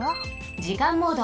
じかんモード。